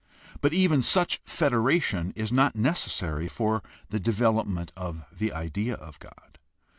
But even such federation is not neces sary for the development of the idea of God.